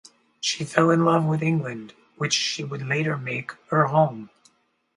She fell in love with England, which she would later make her home.